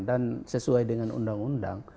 dan sesuai dengan undang undang